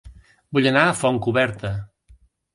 Vull anar a Fontcoberta